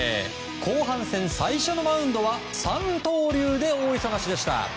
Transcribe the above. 後半戦最初のマウンドは三刀流で大忙しでした。